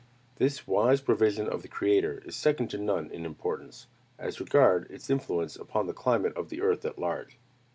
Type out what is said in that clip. This wise provision of the Creator is second to none in importance, as regards its influence upon the climate of the earth at large.